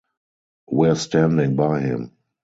We're standing by him.